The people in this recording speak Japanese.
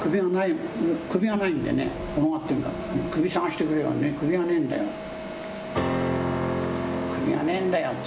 首、探してくれよ、首がねえんだよって。